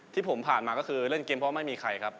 ที่ผมผ่านมาเป็นเพราะเล่นเกมไม่มีใครครับ